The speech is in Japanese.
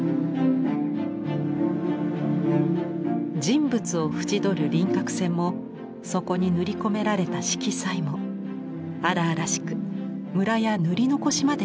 人物を縁取る輪郭線もそこに塗り込められた色彩も荒々しくムラや塗り残しまで見えます。